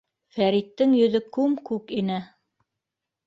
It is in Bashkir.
Фәриттең йөҙө күм-күк ине.